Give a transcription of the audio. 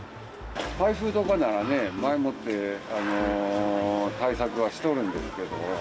台風とかならね、前もって対策はしとるんですけど。